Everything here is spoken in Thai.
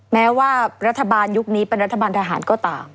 แม้ว่ารัฐบาลยุคนี้เป็นรัฐบาลทหารก็ตาม